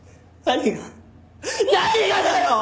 何がだよ！？